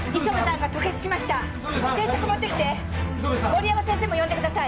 森山先生も呼んでください。